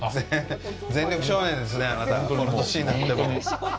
「全力少年」ですね、あなたこの年になっても。